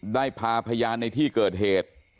ได้พาพยานในที่เกิดเหตุ